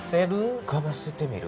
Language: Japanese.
うかばせてみる？